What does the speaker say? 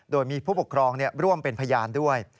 โดยมีผู้ปกครองร่วมเป็นพยานด้วย